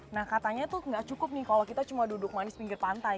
nah katanya tuh nggak cukup nih kalau kita cuma duduk manis pinggir pantai